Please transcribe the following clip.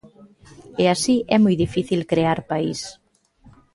E así é moi difícil crear país.